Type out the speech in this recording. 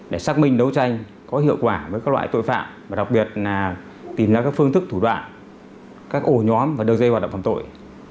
để xác minh đấu tranh có hiệu quả với các loại tội phạm và đặc biệt là tìm ra các phương thức thủ đoạn các ổ nhóm và đường dây hoạt động phạm tội